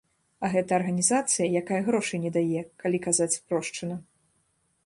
А гэта арганізацыя, якая грошай не дае, калі казаць спрошчана.